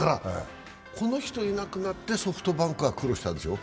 この人いなくなってソフトバンクは苦労したんでしょう？